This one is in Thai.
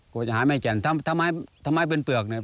ก็จะหายไม่แจนถ้าไม้ถ้าไม้เป็นเปลือกเนี้ย